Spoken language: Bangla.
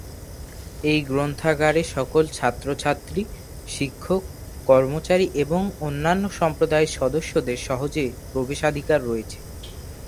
এই গ্রন্থাগারে সকল ছাত্র ছাত্রী, শিক্ষক, কর্মচারী এবং অন্যান্য সম্প্রদায়ের সদস্যদের সহজে প্রবেশাধিকার রয়েছে।